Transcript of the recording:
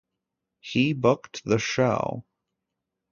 He booked the show.